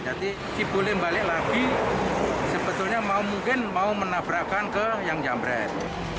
jadi si bule balik lagi sebetulnya mungkin mau menabrakkan ke yang jemret